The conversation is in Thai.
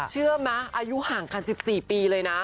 เชื่อไหมอายุห่างกัน๑๔ปีเลยนะ